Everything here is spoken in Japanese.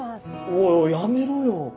おいおいやめろよ。